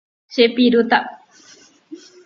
Chepirúta.